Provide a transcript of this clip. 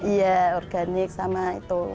iya organik sama itu